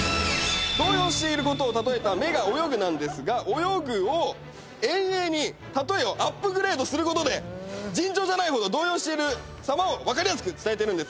動揺していることをたとえた目が泳ぐなんですが泳ぐを遠泳にたとえをアップグレードすることで尋常じゃないほど動揺しているさまをわかりやすく伝えているんです。